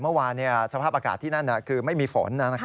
เมื่อวานสภาพอากาศที่นั่นคือไม่มีฝน